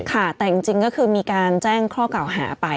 ค่ะแต่จริงก็คือมีการแจ้งข้อเก่าหาไป